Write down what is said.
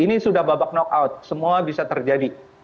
ini sudah babak knockout semua bisa terjadi